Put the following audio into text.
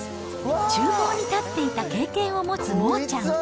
ちゅう房に立っていた経験を持つモーちゃん。